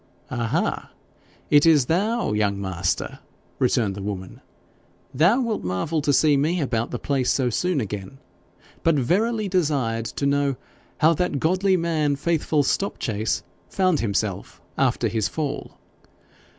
'Aha! is it thou, young master?' returned the woman. 'Thou wilt marvel to see me about the place so soon again, but verily desired to know how that godly man, Faithful Stopchase, found himself after his fall.'